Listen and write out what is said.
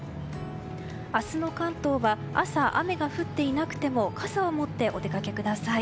明日の関東は朝、雨が降っていなくても傘を持ってお出かけください。